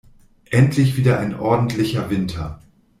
Endlich wieder ein ordentlicher Winter!